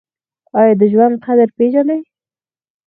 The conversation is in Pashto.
ایا د ژوند قدر پیژنئ؟